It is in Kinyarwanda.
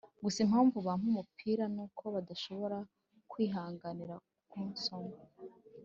gusa impamvu bampa umupira nuko badashobora kwihanganira kunsoma